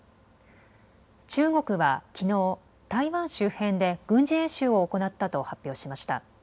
中国はきのう、台湾周辺で軍事演習を行ったと発表しました。